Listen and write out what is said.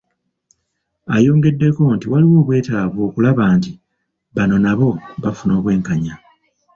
Ayongeddeko nti waliwo obwetaavu okulaba nti bano nabo bafuna obwenkanya .